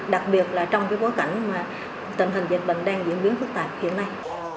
đặc biệt là trong cái bối cảnh tình hình việt bình đang diễn biến phức tạp hiện nay